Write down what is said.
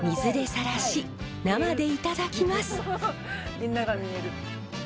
みんなが見える。